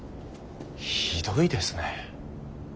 ひどいですね。